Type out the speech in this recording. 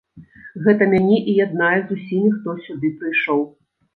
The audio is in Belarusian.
Гэта мяне і яднае з усімі, хто сюды прыйшоў.